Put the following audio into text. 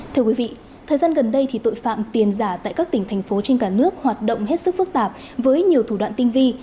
thưa quý vị thời gian gần đây thì tội phạm tiền giả tại các tỉnh thành phố trên cả nước hoạt động hết sức phức tạp với nhiều thủ đoạn tinh vi